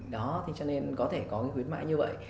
đó thế cho nên có thể có cái khuyến mại như vậy